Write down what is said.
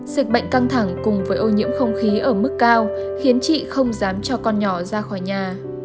dịch bệnh căng thẳng cùng với ô nhiễm không khí ở mức cao khiến chị không dám cho con nhỏ ra khỏi nhà